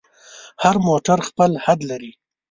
هر موټر خپل حد لري.